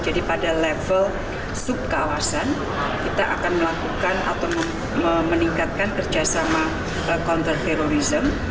jadi pada level subkawasan kita akan melakukan atau meningkatkan kerjasama countering terorisme